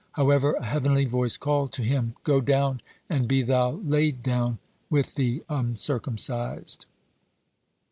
However, a heavenly voice called to him: "Go down, and be thou laid down with the uncircumcised."